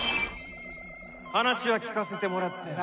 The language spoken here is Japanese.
話は聞かせてもらったよ。